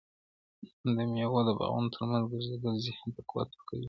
ایا د میوو د باغونو ترمنځ ګرځېدل ذهن ته قوت ورکوي؟